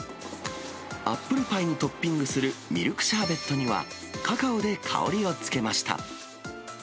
アップルパイにトッピングするミルクシャーベットには、カカオで香りをつけました。